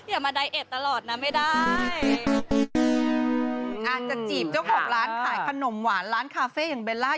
อาจจะจีบเจ้าของร้านขายขนมหวานร้านคาเฟ่อย่างเบลล่า